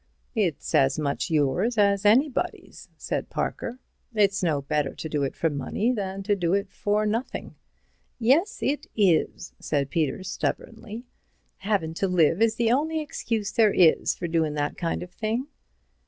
"It's as much yours as anybody's," said Parker; "it's no better to do it for money than to do it for nothing." "Yes, it is," said Peter stubbornly. "Havin' to live is the only excuse there is for doin' that kind of thing."